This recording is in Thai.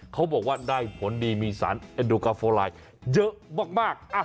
เขาบอกว่าได้ผลดีมีสารเอ็นดูกาโฟไลน์เยอะมาก